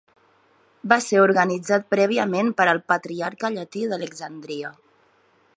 Va ser organitzat prèviament pel Patriarca llatí d'Alexandria.